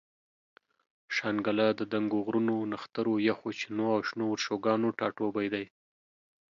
شانګله د دنګو غرونو، نخترو، یخو چینو او شنو ورشوګانو ټاټوبے دے